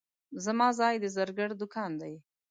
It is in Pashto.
زما ځای د زرګر دوکان دی.